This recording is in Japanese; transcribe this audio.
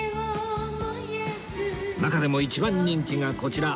中でも一番人気がこちら